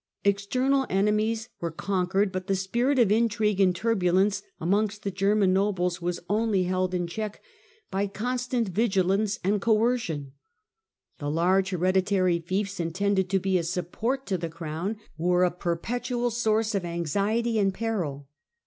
External enemies were conquered, but the spirit of intrigue and turbulence amongst the German nobles was only held in check by constant vigilance and coercion. The large hereditary fiefs intended to be a support to the crown, were a perpetual source of anxiety and peril.